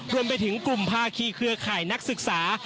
รวมไปถึงกลุ่มภาคีเครือข่ายนักศึกษา